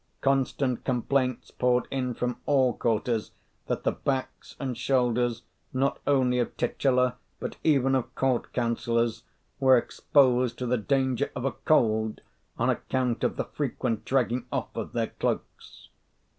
Constant complaints poured in from all quarters that the backs and shoulders, not only of titular but even of court councillors, were exposed to the danger of a cold on account of the frequent dragging off of their cloaks.